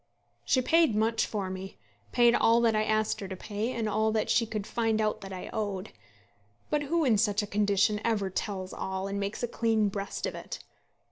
She paid much for me, paid all that I asked her to pay, and all that she could find out that I owed. But who in such a condition ever tells all and makes a clean breast of it?